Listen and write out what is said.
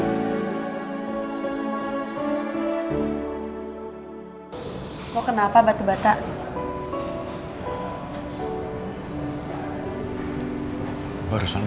kau kenapa batu bata